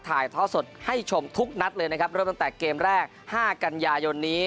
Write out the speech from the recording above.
ถ่ายท่อสดให้ชมทุกนัดเลยนะครับเริ่มตั้งแต่เกมแรกห้ากันยายนนี้